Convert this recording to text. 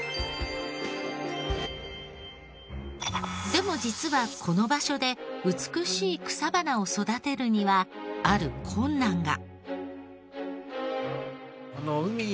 でも実はこの場所で美しい草花を育てるにはある困難が。